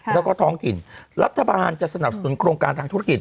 แล้วก็ท้องถิ่นรัฐบาลจะสนับสนุนโครงการทางธุรกิจ